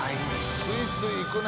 スイスイいくね。